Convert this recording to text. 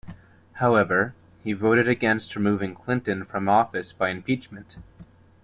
However, he voted against removing Clinton from office by impeachment.